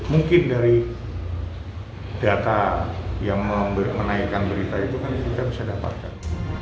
mungkin dari data yang menaikkan berita itu kan kita bisa dapatkan